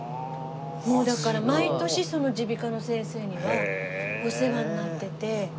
もうだから毎年その耳鼻科の先生にはお世話になってて。